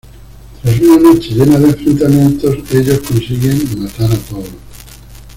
Tras una noche llena de enfrentamientos, ellos consiguen matar a todos.